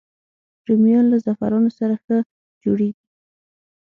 رومیان له زعفرانو سره ښه جوړېږي